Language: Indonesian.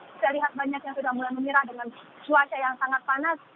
kita lihat banyak yang sudah mulai memirah dengan cuaca yang sangat panas